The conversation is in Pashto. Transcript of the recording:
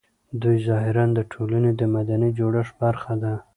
دوی ظاهراً د ټولنې د مدني جوړښت برخه ده